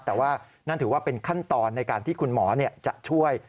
แต่ว่านั่นถือว่าเป็นขั้นตอนในการที่คุณหมอจะช่วย